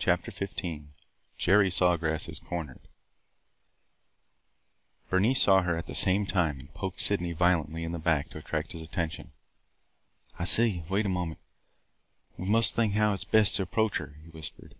CHAPTER XV JERRY SAW GRASS IS CORNERED BERNICE saw her at the same time and poked Sydney violently in the back to attract his attention. "I see! Wait a moment. We must think how it 's best to approach her," he whispered.